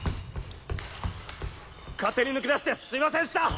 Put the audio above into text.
勝手に抜け出してすいませんっした。